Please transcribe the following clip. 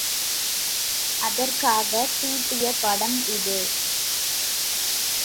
அதற்காகத் தீட்டிய படம் இது.